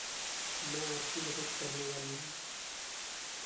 मैं आपकी मदद करने वाली हूँ।